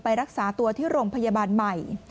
รักษาตัวที่โรงพยาบาลใหม่